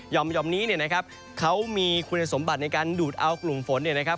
ยอมนี้เนี่ยนะครับเขามีคุณสมบัติในการดูดเอากลุ่มฝนเนี่ยนะครับ